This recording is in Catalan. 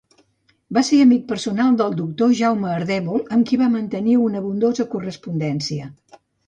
Va ser amic personal del doctor Jaume Ardèvol amb qui va mantenir una abundosa correspondència.